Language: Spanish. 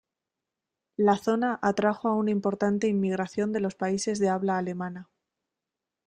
La zona atrajo a una importante inmigración de los países de habla alemana.